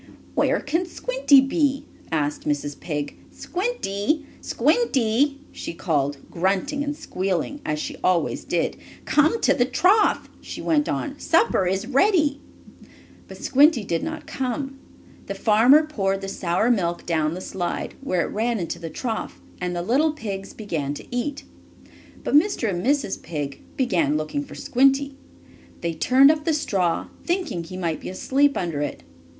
"Why, where can Squinty be?" asked Mrs. Pig. "Squinty! Squinty!" she called, grunting and squealing as she always did. "Come to the trough!" she went on. "Supper is ready!" But Squinty did not come. The farmer poured the sour milk down the slide, where it ran into the trough, and the little pigs began to eat. But Mr. and Mrs. Pig began looking for Squinty. They turned up the straw, thinking he might be asleep under it.